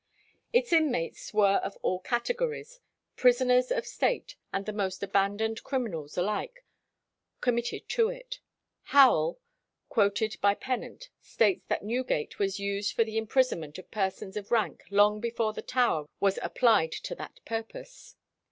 Its inmates were of all categories. Prisoners of state and the most abandoned criminals were alike committed to it. Howel, quoted by Pennant, states that Newgate was used for the imprisonment of persons of rank long before the Tower was applied to that purpose.